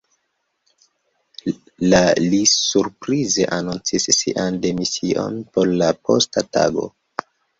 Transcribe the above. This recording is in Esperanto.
La li surprize anoncis sian demision por la posta tago.